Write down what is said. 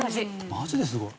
マジですごい。